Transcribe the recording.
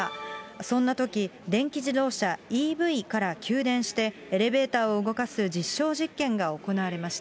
そんなとき、電気自動車・ＥＶから給電して、エレベーターを動かす実証実験が行われました。